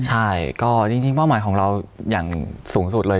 ใช่ก็จริงเป้าหมายของเราอย่างสูงสุดเลย